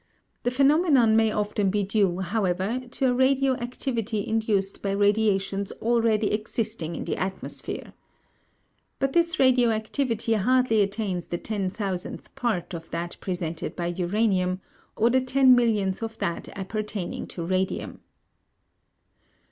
The phenomenon may often be due, however, to a radioactivity induced by radiations already existing in the atmosphere. But this radioactivity hardly attains the ten thousandth part of that presented by uranium, or the ten millionth of that appertaining to radium.